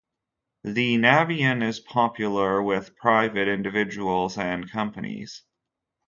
The Navion is popular with private individuals and companies.